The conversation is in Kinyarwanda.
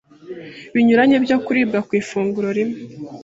binyuranye byo kuribwa ku ifunguro rimwe;